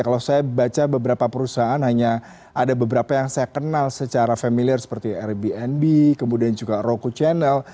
kalau saya baca beberapa perusahaan hanya ada beberapa yang saya kenal secara familiar seperti rbnb kemudian juga roku channel